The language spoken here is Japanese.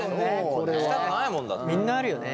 みんなあるよね。